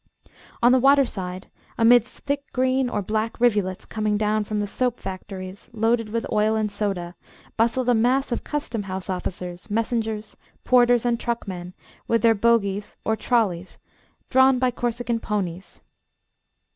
On the waterside, amidst thick green or black rivulets coming down from the soap factories loaded with oil and soda, bustled a mass of custom house officers, messengers, porters, and truckmen with their bogheys, or trolleys, drawn by Corsican ponies.